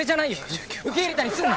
受け入れたりすんな。